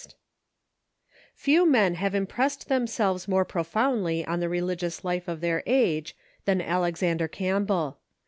] Few men have impressed themselves more profoundly on the religious life of their age than Alexander Campbell.